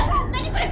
これ。